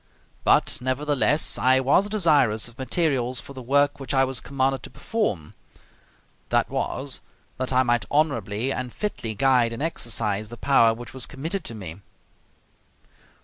But nevertheless I was desirous of materials for the work which I was commanded to perform; that was, that I might honorably and fitly guide and exercise the power which was committed to me.